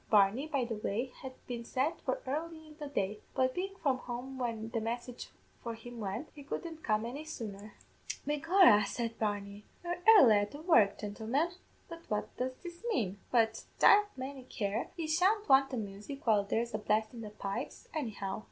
Barney, by the way, had been sent for early in the day, but bein' from home when the message for him went, he couldn't come any sooner. "'Begorra,' said Barney, 'you're airly at the work, gintlemen! but what does this mane? But, divle may care, yez shan't want the music while there's a blast in the pipes, anyhow!'